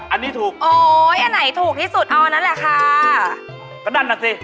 อันนี้ถูกสุด